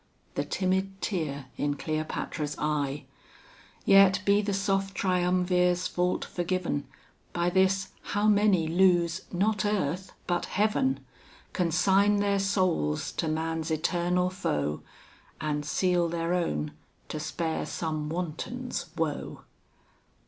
The timid tear in Cleopatra's eye. Yet be the soft triumvir's fault forgiven, By this, how many lose not earth but heaven! Consign their souls to man's eternal foe, And seal their own, to spare some wanton's, woe!